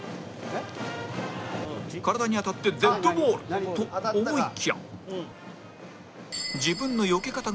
体に当たってデッドボールと思いきや